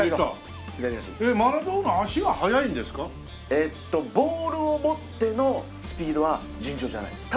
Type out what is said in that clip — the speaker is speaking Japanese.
えっとボールを持ってのスピードは尋常じゃないです。